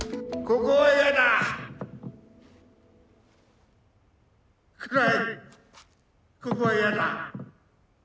ここはいやだ。